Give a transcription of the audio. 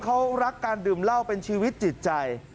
เขารักการดื่มเหล้าเป็นชีวิตจิตใจ